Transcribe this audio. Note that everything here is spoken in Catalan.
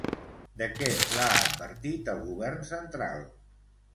De què l'ha advertit el Govern central?